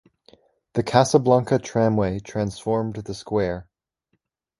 The Casablanca Tramway transformed the square.